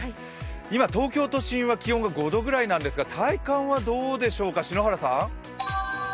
今、東京都心は気温が５度ぐらいなんですが、体感はどうでしょうか、篠原さん。